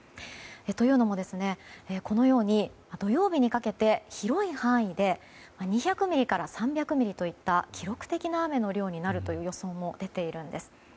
というのも、このように土曜日にかけて広い範囲で２００ミリから３００ミリといった記録的な雨の量になるという予想も出ているんです。